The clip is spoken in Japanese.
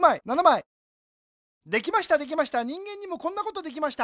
できましたできました人間にもこんなことできました。